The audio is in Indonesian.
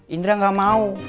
indra gak mau